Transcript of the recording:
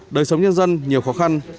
đời sống nhân dân nhiều khó khăn